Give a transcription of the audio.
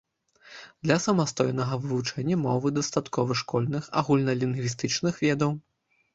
Для самастойнага вывучэння мовы дастаткова школьных агульналінгвістычных ведаў.